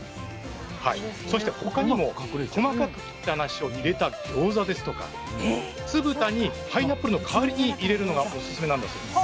そして他にも細かく切ったなしを入れたギョーザですとか酢豚にパイナップルの代わりに入れるのがオススメなんだそうです。